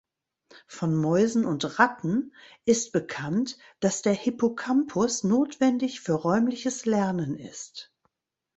Von Mäusen und Ratten ist bekannt, dass der Hippocampus notwendig für räumliches Lernen ist.